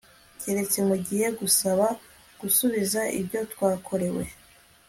keretse mu gihe gusaba gusubiza ibyo rwakorewe